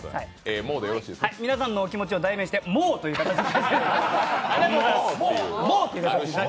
皆さんのお気持ちを代弁してＭＯＷ！ということで。